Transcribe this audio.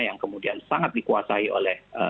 yang kemudian sangat dikuasai oleh